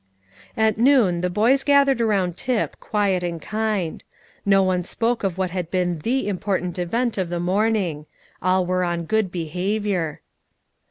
At noon the boys gathered around Tip, quiet and kind; no one spoke of what had been the important event of the morning; all were on good behaviour.